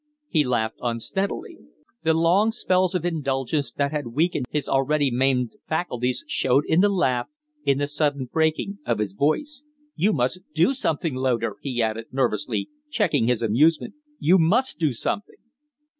He laughed unsteadily. The long spells of indulgence that had weakened his already maimed faculties showed in the laugh, in the sudden breaking of his voice. "You must do something, Loder!" he added, nervously, checking his amusement; "you must do something!"